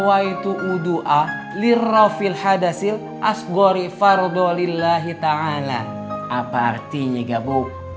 apa artinya ibu